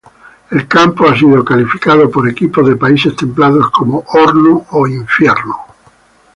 El campo ha sido calificado por equipos de países templados como "horno" o "infierno".